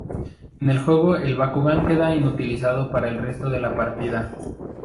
En el juego el bakugan queda inutilizado para el resto de la partida.